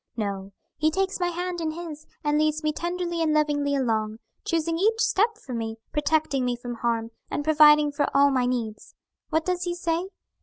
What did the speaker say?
No; He takes my hand in His and leads me tenderly and lovingly along, choosing each step for me, protecting me from harm, and providing for all my needs. What does He say?